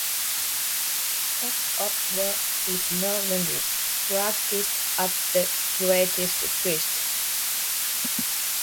Tug-of-war is no longer practiced at the Great Feast.